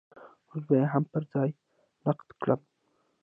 اوس به يې هم پر ځای نقد کړم.